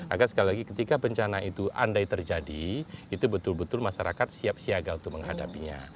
agar sekali lagi ketika bencana itu andai terjadi itu betul betul masyarakat siap siaga untuk menghadapinya